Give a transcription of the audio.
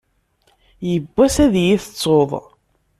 Yiwwass ad yi-tettuḍ.